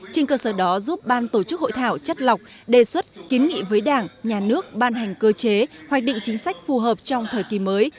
trên cơ sở đó giúp ban tổ chức hội thảo chất lọc đề xuất kiến nghị với đảng nhà nước ban hành cơ chế hoạch định chính sách phù hợp trong thời kỳ mới